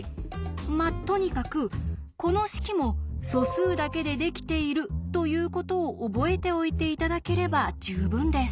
まあとにかくこの式も素数だけでできているということを覚えておいて頂ければ十分です。